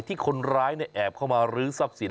ที่คนร้ายแอบเข้ามาลื้อทรัพย์สิน